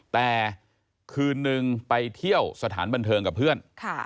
แต่คืนนึงไปเที่ยวสถานบันเทิงกับเพื่อน